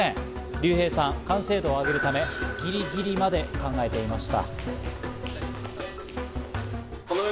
リュウヘイさん、完成度を上げるため、ギリギリまで考えていました。